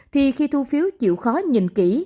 thì khi thu phiếu chịu khó nhìn kỹ